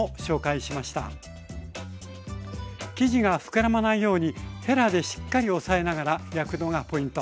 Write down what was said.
生地がふくらまないようにへらでしっかり押えながら焼くのがポイント。